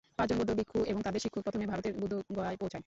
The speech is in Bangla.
পাঁচজন বৌদ্ধ ভিক্ষু এবং তাদের শিক্ষক প্রথমে ভারতের বুদ্ধগয়ায় পৌঁছায়।